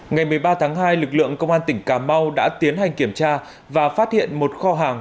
ngày một mươi ba tháng hai lực lượng công an tỉnh cà mau đã tiến hành kiểm tra và phát hiện một kho hàng